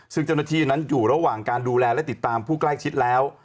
ซึ่งเจ้าหน้าที่นั้นอยู่ระหว่างการดูแลและติดตามผู้ใกล้ชิดแล้ว